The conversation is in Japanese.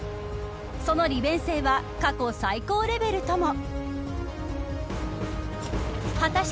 その利便性は過去最高レベルとも。